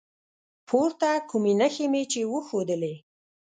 پورته کومې نښې مې چې وښودلي